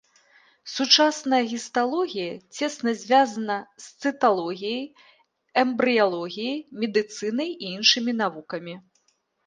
Сучасная гісталогія цесна звязана з цыталогіяй, эмбрыялогіяй, медыцынай і іншымі навукамі.